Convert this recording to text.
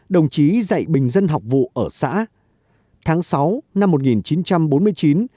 đồng chí được kết nạp vào đảng cộng sản việt nam phụ trách công tác tuyên truyền